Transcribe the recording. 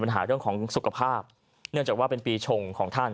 ปัญหาเรื่องของสุขภาพเนื่องจากว่าเป็นปีชงของท่าน